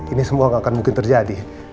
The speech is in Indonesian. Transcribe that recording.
ini semua akan mungkin terjadi